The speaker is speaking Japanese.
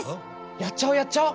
やっちゃおうやっちゃおう！